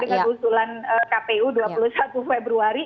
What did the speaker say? dengan usulan kpu dua puluh satu februari